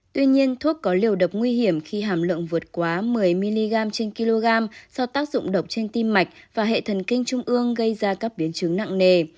tuy nhiên thuốc có liều độc nguy hiểm khi hàm lượng vượt quá một mươi mg trên kg do tác dụng độc trên tim mạch và hệ thần kinh trung ương gây ra các biến chứng nặng nề